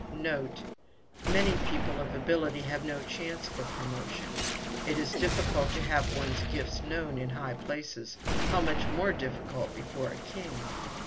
Note. Many people of ability have no chance for promotion. It is difficult to have one's gifts known in high places; how much more difficult before a king?